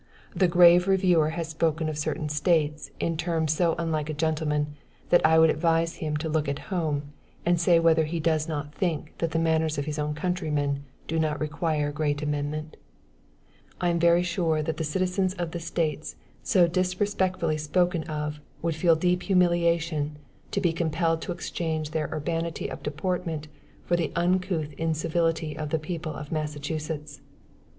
The grave reviewer has spoken of certain States in terms so unlike a gentleman, that I would advise him to look at home, and say whether he does not think that the manners of his own countrymen, do not require great amendment? I am very sure, that the citizens of the States so disrespectfully spoken of, would feel a deep humiliation, to be compelled to exchange their urbanity of deportment, for the uncouth incivility of the people of Massachusetts.